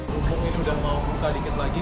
mumpung ini udah mau buka dikit lagi